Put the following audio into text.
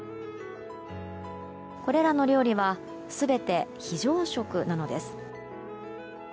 これらの料理は全て非常食なのです。